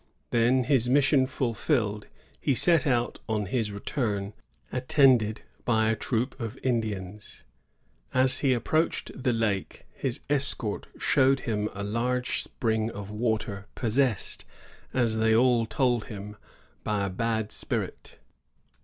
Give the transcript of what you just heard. Then, his mission fulfilled, he set out on his return, attended by a troop of Indians. As he approached the lake, his escort showed him a large spring of water, possessed, as they told him, by a bad spirit.